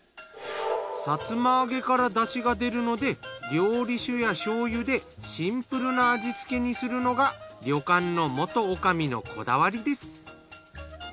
さつま揚げからだしが出るので料理酒や醤油でシンプルな味付けにするのが旅館の元女将のこだわりです。